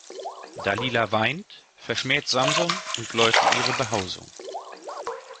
Dalila weint, verschmäht Samson und läuft in ihre Behausung.